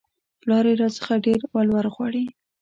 پلار يې راڅخه ډېر ولور غواړي